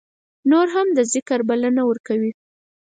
نور هم د ذکر بلنه ورکوي.